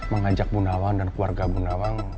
mengajak bu nawa dan keluarga bu nawa